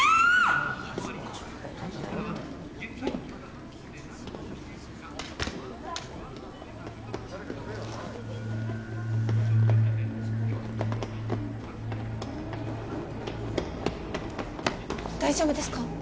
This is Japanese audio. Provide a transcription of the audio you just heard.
・大丈夫ですか？